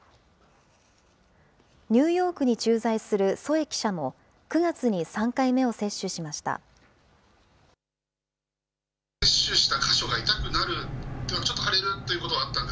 ニューヨークに駐在する添記者も９月に３回目を接種しました。